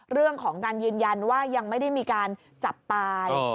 เรื่องของการยืนยันว่ายังไม่ได้มีการจับตาย